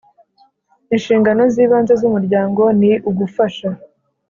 Inshingano z ibanze z Umuryango ni ugufasha .